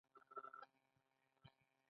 تنګی هرمز د تیلو لاره ده.